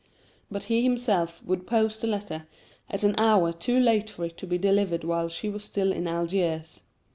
But he himself would post the letter at an hour too late for it to be delivered while she was still in Algiers.